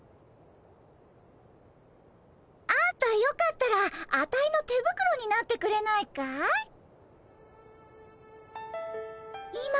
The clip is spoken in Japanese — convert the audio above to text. あんたよかったらアタイの手袋になってくれないかい？